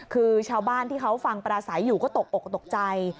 คือชาวบ้านที่เขาฟังปราศัยอยู่ก็ตกอกตกใจ